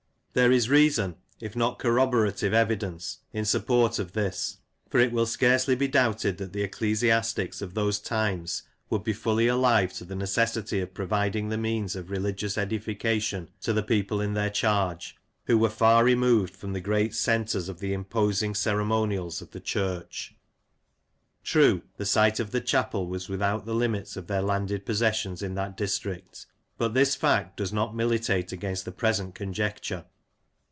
There is reason, if not corroborative evidence, in support of this j for it will scarcely be doubted that the ecclesiastics of those times would be fully alive to the necessity of providing the means of religious edification to the people in their charge, who were far removed from the great centres of 136 Lancashire CItaracters and Places, the imposing ceremonials of the Church. True, the site of the Chapel was without the limits of their landed possessions in that district ; but this fact does not militate against the present conjecture.